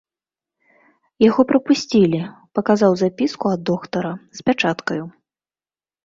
Яго прапусцілі, паказаў запіску ад доктара, з пячаткаю.